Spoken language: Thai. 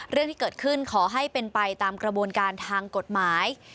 เรื่องที่เกิดขึ้นขอให้เป็นไปตามกระบวนการทางกฎหมาย